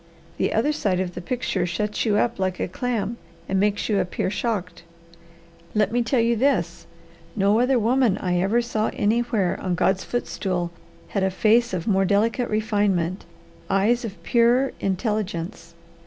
The other side of the picture shuts you up like a clam, and makes you appear shocked. Let me tell you this: No other woman I ever saw anywhere on God's footstool had a face of more delicate refinement, eyes of purer intelligence.